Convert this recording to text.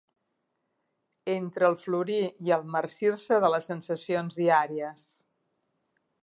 Entre el florir i el marcir-se de les sensacions diàries.